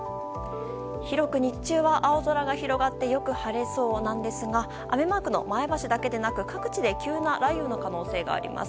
広く日中は青空が広がってよく晴れそうなんですが雨マークの前橋だけでなく各地で急な雷雨の可能性があります。